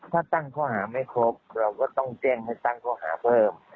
ถ้าตั้งข้อหาไม่ครบเราก็ต้องแจ้งให้ตั้งข้อหาเพิ่ม